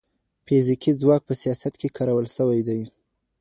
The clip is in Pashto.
فزیکي ځواک په سیاست کي کارول سوی دی.